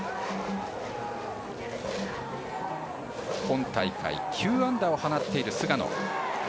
今大会９安打を放っている菅野。